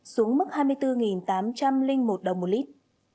xuống mức hai mươi bốn tám trăm linh một đồng một lít